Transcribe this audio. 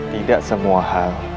tidak semua hal